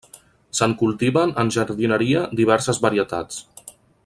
Se'n cultiven en jardineria diverses varietats.